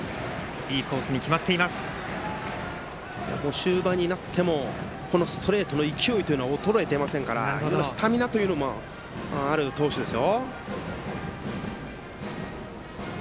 終盤になってもストレートの勢いは衰えていませんからスタミナというのもある投手です。